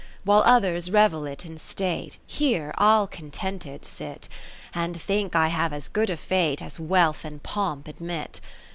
While others revel it in State, Here I'll contented sit, And think I have as good a Fate As wealth and pomp admit.